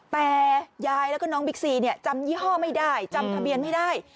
แต่ยายแล้วก็น้องบิ๊กซีเนี่ยจำยี่ห้อไม่ได้จำทะเบียนไม่ได้